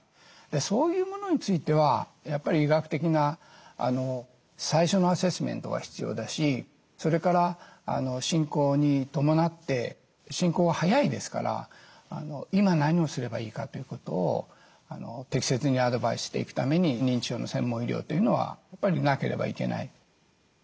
そういうものについてはやっぱり医学的な最初のアセスメントが必要だしそれから進行に伴って進行は早いですから今何をすればいいかということを適切にアドバイスしていくために認知症の専門医療というのはやっぱりなければいけない。